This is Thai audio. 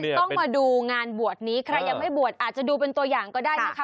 ต้องมาดูงานบวชนี้ใครยังไม่บวชอาจจะดูเป็นตัวอย่างก็ได้นะคะ